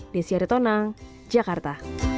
desyari tonang jakarta